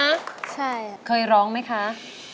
ทั้งในเรื่องของการทำงานเคยทำนานแล้วเกิดปัญหาน้อย